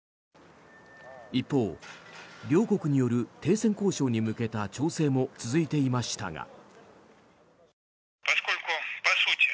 一方、両国による停戦交渉に向けた調整も続いていましたが。